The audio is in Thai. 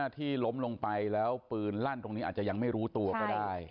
ตอนนี้กำลังจะโดดเนี่ยตอนนี้กำลังจะโดดเนี่ย